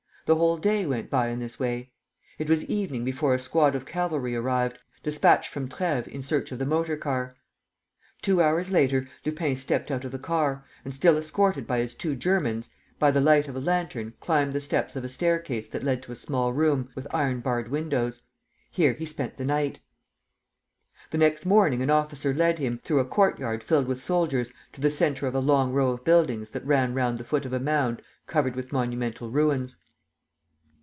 The whole day went by in this way. It was evening before a squad of cavalry arrived, dispatched from Treves in search of the motor car. Two hours later, Lupin stepped out of the car, and still escorted by his two Germans, by the light of a lantern climbed the steps of a staircase that led to a small room with iron barred windows. Here he spent the night. The next morning, an officer led him, through a courtyard filled with soldiers, to the centre of a long row of buildings that ran round the foot of a mound covered with monumental ruins.